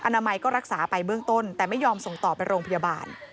นามัยก็รักษาไปเบื้องต้นแต่ไม่ยอมส่งต่อไปโรงพยาบาล